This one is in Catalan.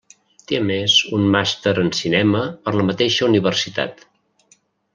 Té a més un Màster en Cinema per la mateixa universitat.